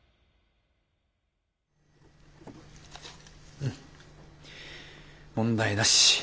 うん問題なし。